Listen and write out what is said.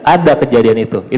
ada kejadian itu